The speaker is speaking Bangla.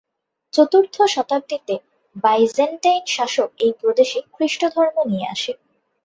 চতুর্থ শতাব্দীতে বাইজেন্টাইন শাসক এই প্রদেশে খ্রিস্টধর্ম নিয়ে আসে।